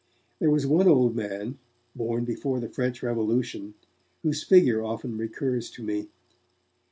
There was one old man, born before the French Revolution, whose figure often recurs to me.